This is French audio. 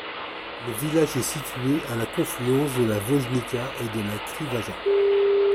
Le village est situé à la confluence de la Vojnica et de la Krivaja.